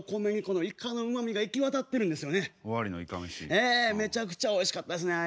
ええめちゃくちゃおいしかったですね。